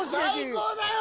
最高だよ！